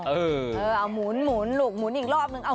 เออเอาหมุนลูกหมุนอีกรอบนึง